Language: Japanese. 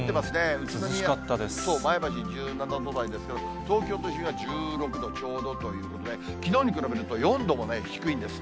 宇都宮と前橋、１７度台ですけど、東京都心は１６度ちょうどということで、きのうに比べると４度も低いんです。